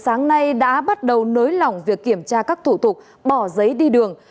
sáng nay đã bắt đầu nới lỏng việc kiểm tra các thủ tục bỏ giấy đi đường